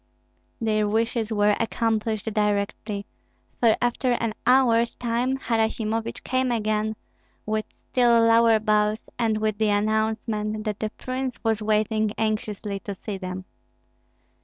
Their wishes were accomplished directly; for after an hour's time Harasimovich came again, with still lower bows, and with the announcement that the prince was waiting anxiously to see them.